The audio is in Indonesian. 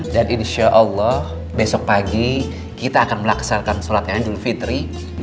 dan insya allah besok pagi kita akan melaksanakan solat yang anjur fitri